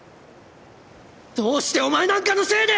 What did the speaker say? どうしてお前なんかのせいで！